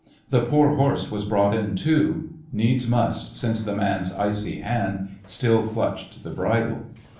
The poor horse was brought in, too ; needs must, since the man's icy hand still clutched the bridle.